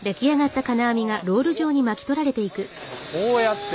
こうやって。